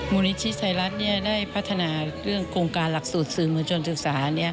มูลนิธิไทยรัฐได้พัฒนาเรื่องโครงการหลักสูตรสื่อมวลชนศึกษา